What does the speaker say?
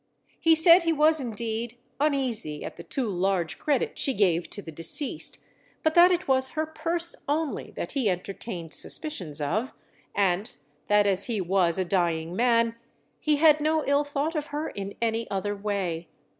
He said he was indeed uneasy at the too large credit she gave to the deceased, but that it was her purse only that he entertained suspicions of, and that as he was a dying man, he had no ill thought of her in any other way.